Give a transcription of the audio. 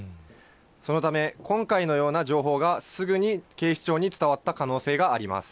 そのため、今回のような情報がすぐに警視庁に伝わった可能性があります。